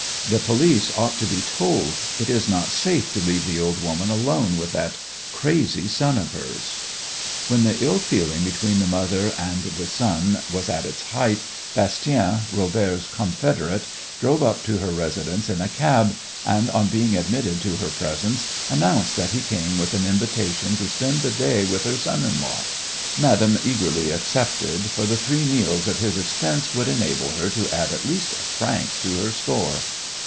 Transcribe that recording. "The police ought to be told. It is not safe to leave the old woman alone with that crazy son of hers." When the ill feeling between the mother and son was at its height, Bastien, Robert's confederate, drove up to her residence in a cab, and on being admitted to her presence announced that he came with an invitation to spend the day with her son in law. Madame eagerly accepted, for the three meals at his expense would enable her to add at least a franc to her store.